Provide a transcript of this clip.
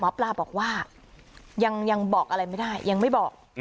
หมอปลาบอกว่ายังบอกอะไรไม่ได้ยังไม่บอก